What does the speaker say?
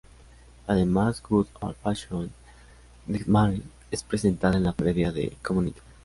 Además, "Good Ol' Fashion Nightmare' es presentada en la previa de "Community".